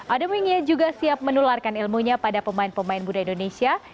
ademingnya juga siap menularkan ilmunya pada pemain pemain muda indonesia